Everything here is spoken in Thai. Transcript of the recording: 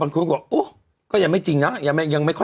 ใช่เฉลี่ยออกมาแล้ว